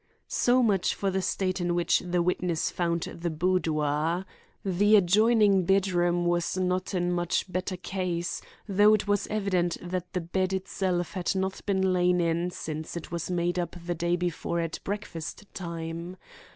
So much for the state in which the witness found the boudoir. The adjoining bed room was not in much better case, though it was evident that the bed itself had not been lain in since it was made up the day before at breakfast time.